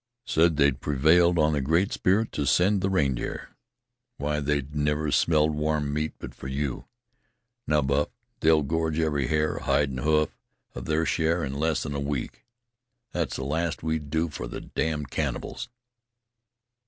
"Said they'd prevailed on the Great Spirit to send the reindeer. Why, they'd never smelled warm meat but for you. Now, Buff, they'll gorge every hair, hide an' hoof of their share in less than a week. Thet's the last we do for the damned cannibals.